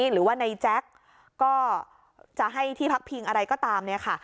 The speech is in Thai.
หรือว่าในแจ๊กก็จะให้ที่พักพิงอะไรก็ตามเนี่ยค่ะ